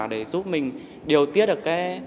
để giúp mình điều tiết được cái